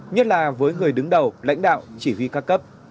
nhất là với người đứng đầu lãnh đạo chỉ huy ca cấp